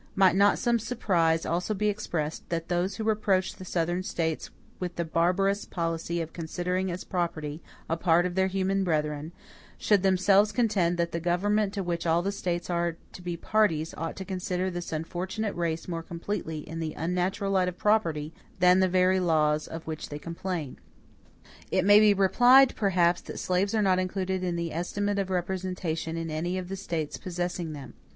Might not some surprise also be expressed, that those who reproach the Southern States with the barbarous policy of considering as property a part of their human brethren, should themselves contend, that the government to which all the States are to be parties, ought to consider this unfortunate race more completely in the unnatural light of property, than the very laws of which they complain? "It may be replied, perhaps, that slaves are not included in the estimate of representatives in any of the States possessing them.